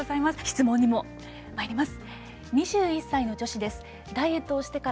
質問にもまいります。